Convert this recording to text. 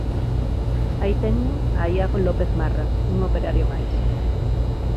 Aí teñen a Iago López Marra, un operario máis.